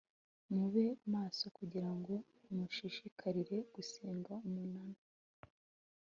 mube maso kugira ngo mushishikarire gusenga umunara